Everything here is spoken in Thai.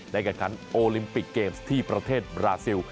แข่งขันโอลิมปิกเกมส์ที่ประเทศบราซิล